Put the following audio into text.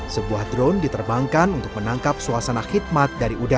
sebuah drone diterbangkan untuk menangkap suasana khidmat